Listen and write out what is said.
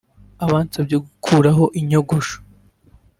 Mu bansabye gukuraho inyogosho